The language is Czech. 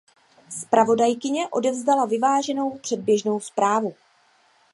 Zpravodajkyně odevzdala vyváženou předběžnou zprávu.